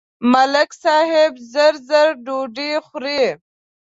ملک صاحب زر زر ډوډۍ خوري.